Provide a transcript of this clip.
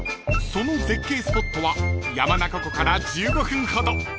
［その絶景スポットは山中湖から１５分ほど］